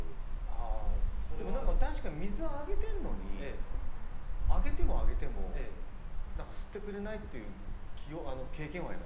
でも確かに水はあげてるのにあげてもあげても何か吸ってくれないっていう経験はあります